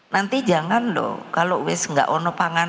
nanti jangan loh kalau tidak ada pangan